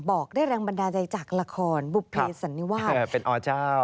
บอกได้แรงบันดาลใจจากละครบุภเพสันนิวาสเป็นอเจ้า